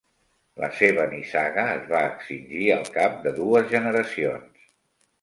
La seva nissaga es va extingir al cap de dues generacions.